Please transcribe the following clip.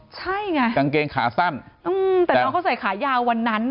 ใช่ไงกางเกงขาสั้นแต่น้องเขาใส่ขายาววันนั้น